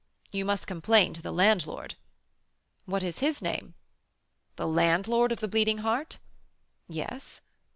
"You must complain to the landlord." "What is his name?" "The landlord of the Bleeding Heart?" "Yes."